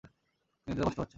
তিনি এতে কষ্ট পাচ্ছেন।